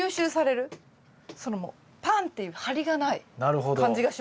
そのパンっていう張りがない感じがします